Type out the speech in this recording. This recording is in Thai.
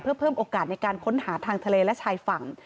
เพื่อเพิ่มโอกาสในการค้นหาทางทะเลและชายฝั่ง